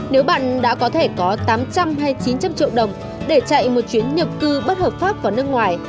nếu bạn đã có thể có tám trăm linh hay chín trăm linh triệu đồng để chạy một chuyến nhập cư bất hợp pháp vào nước ngoài